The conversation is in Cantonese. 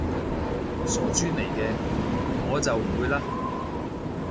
傻豬嚟嘅，我就唔會嘞